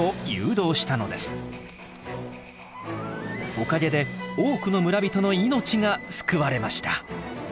おかげで多くの村人の命が救われました。